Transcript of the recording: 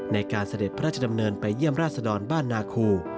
เสด็จพระราชดำเนินไปเยี่ยมราชดรบ้านนาคู